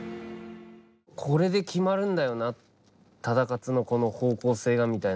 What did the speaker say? これで決まるんだよな忠勝のこの方向性がみたいな。